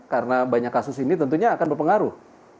karena banyak kasus ini tentunya akan berpengaruh